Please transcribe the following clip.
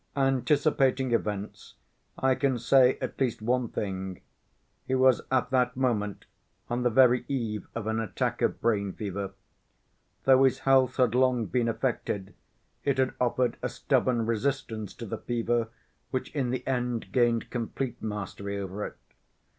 Anticipating events I can say at least one thing: he was at that moment on the very eve of an attack of brain fever. Though his health had long been affected, it had offered a stubborn resistance to the fever which in the end gained complete mastery over it.